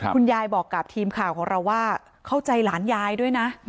คุณยายบอกกับทีมข่าวของเราว่าเข้าใจหลานยายด้วยนะ